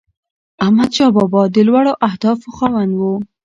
احمدشاه بابا د لوړو اهدافو خاوند و.